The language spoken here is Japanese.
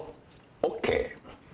ＯＫ。